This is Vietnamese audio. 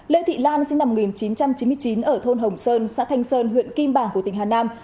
lê thị lan sinh năm một nghìn chín trăm chín mươi chín ở thôn hồng sơn xã thanh sơn huyện kim bảng của tỉnh hà nam